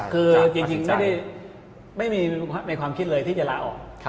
คือจริงไม่มีในความคิดเลยที่จะลาออก